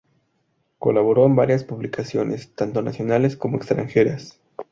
Colaboró en varias publicaciones, tanto nacionales como extranjeras.